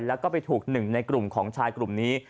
แล้วก็ไปถูกหนึ่งในกลุ่มของชายกลุ่มนี้